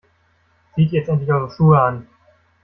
Zieht jetzt endlich eure Schuhe an.